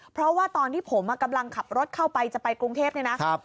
เพราะว่าตอนที่ผมกำลังขับรถเข้าไปจะไปกรุงเทพเนี่ยนะ